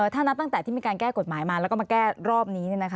ถ้านับตั้งแต่ที่มีการแก้กฎหมายมาแล้วก็มาแก้รอบนี้